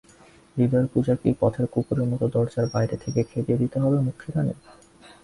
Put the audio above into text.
হৃদয়ের পূজাকে কি পথের কুকুরের মতো দরজার বাইরে থেকে খেদিয়ে দিতে হবে মক্ষীরানী?